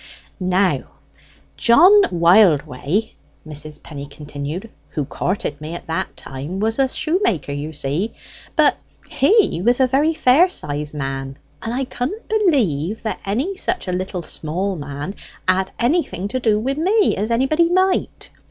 "Now, John Wildway," Mrs. Penny continued, "who courted me at that time, was a shoemaker, you see, but he was a very fair sized man, and I couldn't believe that any such a little small man had anything to do wi' me, as anybody might.